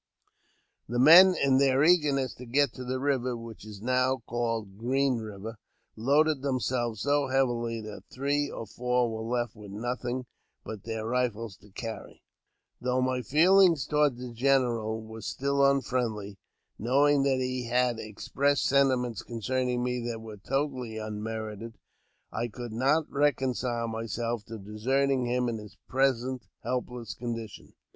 The men, in their eagerness to get to the river (which is now called Green River), loaded themselves so heavily that three or four were left with nothing but their rifles to carry. Though my feelings toward the general were still unfriendly (knowing that he had expressed sentiments concerning me that were totally unmerited), I could not reconcile myself to deserting him in his present helpless condition.